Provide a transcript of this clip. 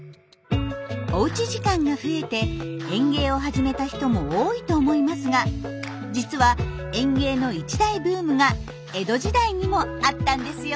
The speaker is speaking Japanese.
おうち時間が増えて園芸を始めた人も多いと思いますが実は園芸の一大ブームが江戸時代にもあったんですよ！